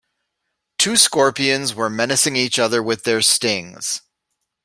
Two scorpions were menacing each other with their stings.